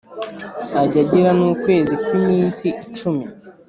ajya agira n’ukwezi kw’iminsi icumi